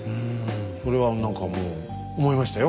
それは何かもう思いましたよ。